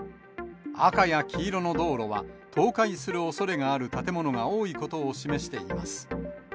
赤や黄色の道路は倒壊するおそれがある建物が多いことを示しています。